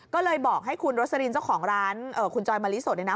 ก็เลยบอกให้คุณโรสลินเจ้าของร้านคุณจอยมะลิสดเนี่ยนะ